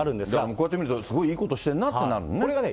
こうやって見るとすごいいいことしてんなってなるもんね。